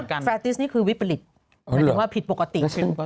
แต่ว่าแฟร์ติสนี่คือวิปริตหมายถึงว่าผิดปกติ